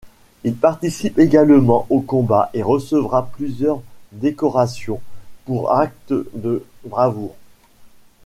Il participe également aux combats et recevra plusieurs décorations pour actes de bravoure.